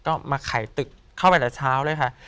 ก็มาไข่ตึกเข้าไปแต่เช้าเลยค่ะ